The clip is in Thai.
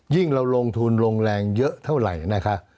เราลงทุนลงแรงเยอะเท่าไหร่นะคะ